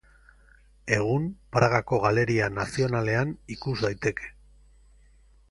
Egun Pragako Galeria Nazionalean ikus daiteke.